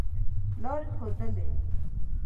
لاري ښودلې.